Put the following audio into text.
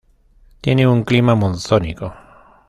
Tiene un clima monzónico.